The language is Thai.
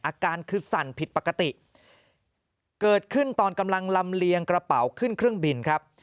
อาการคือสั่นผิดปกติเกิดขึ้นตอนกำลังลำเลียงกระเป๋าขึ้นเครื่องบินครับ